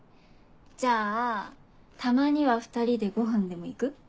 じゃあたまには２人でごはんでも行く？